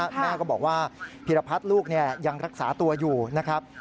แม่ก็บอกว่าพีรพัฒน์ลูกยังรักษาตัวอยู่นะครับ